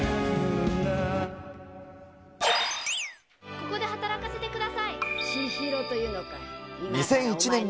ここで働かせてください。